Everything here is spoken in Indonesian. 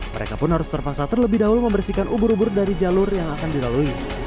mereka pun harus terpaksa terlebih dahulu membersihkan ubur ubur dari jalur yang akan dilalui